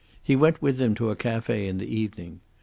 He went with them to a cafe in the evening.